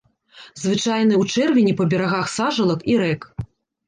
Звычайны ў чэрвені па берагах сажалак і рэк.